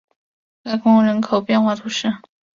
盖贡人口变化图示